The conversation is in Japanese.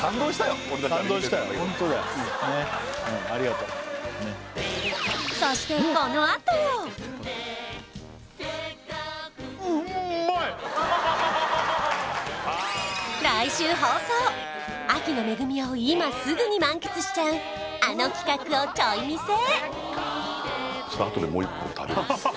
ありがとうそして来週放送秋の恵みを今すぐに満喫しちゃうあの企画をちょい見せ！